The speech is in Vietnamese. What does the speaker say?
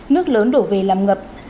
nước lớn đổ về làm ngập